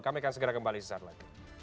kami akan segera kembali sesaat lagi